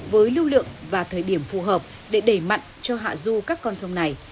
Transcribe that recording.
với lưu lượng và thời điểm phù hợp để đẩy mặn cho hạ du các con sông này